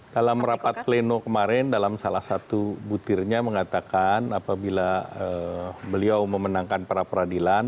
dalam rapat pleno kemarin dalam salah satu butirnya mengatakan apabila beliau memenangkan pra peradilan